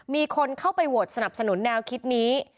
มีคนเข้าไปโหวตสนับสนุนแนวคิดนี้